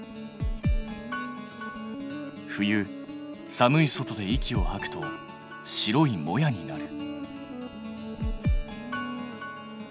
冬寒い外で息をはくと白いモヤになる。